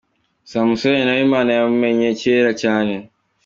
Samusoni nawe Imana yamumenye kera cyane.